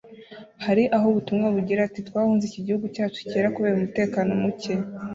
Hari aho ubutumwa bugira buti ‘Twahunze iki gihugu cyacu cyera kubera umutekano muke